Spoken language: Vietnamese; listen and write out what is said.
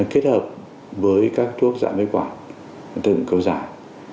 kết hợp với các thuốc giảm viết quả tác dụng cơ giải